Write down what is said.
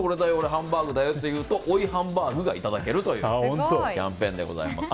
ハンバーグだよ！と言うと追いハンバーグがいただけるというキャンペーンです。